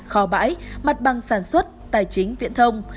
kho bãi mặt bằng sản xuất tài chính viễn thông